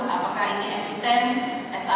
apakah ini mdt sro